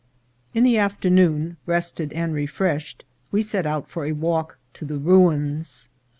In the afternoon, rested and refreshed, we set out for a walk to the ruins.